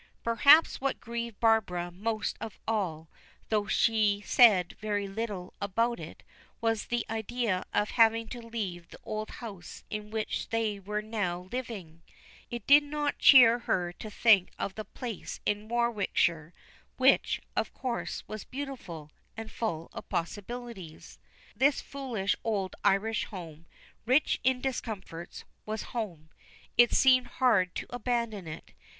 Perhaps what grieved Barbara most of all, though she said very little about it, was the idea of having to leave the old house in which they were now living. It did not not cheer her to think of the place in Warwickshire, which, of course, was beautiful, and full of possibilities. This foolish old Irish home rich in discomforts was home. It seemed hard to abandon it.